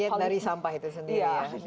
create dari sampah itu sendiri ya